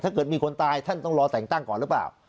ถ้าเกิดมีคนตายท่านต้องรอแต่งตั้งก่อนหรือเปล่า